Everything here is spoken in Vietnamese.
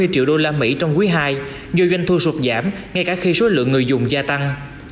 hai trăm bảy mươi triệu usd trong quý ii do doanh thu sụp giảm ngay cả khi số lượng người dùng gia tăng